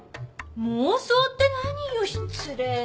妄想って何よ失礼ね。